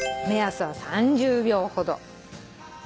目安は３０秒ほど。